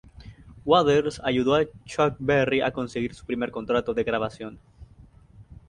Waters ayudó a Chuck Berry a conseguir su primer contrato de grabación.